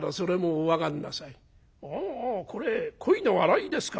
「ああこれコイのあらいですか。